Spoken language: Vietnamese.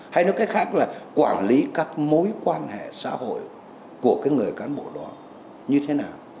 hay nói cách khác là quản lý các mối quan hệ xã hội của cái người cán bộ đó như thế nào